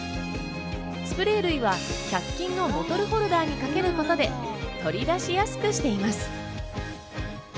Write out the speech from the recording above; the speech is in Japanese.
スプレー類は１００均のボトルホルダーにかけることで取り出しやすくしています。